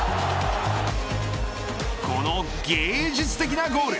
この芸術的なゴール。